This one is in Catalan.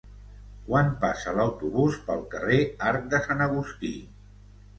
Quan passa l'autobús pel carrer Arc de Sant Agustí?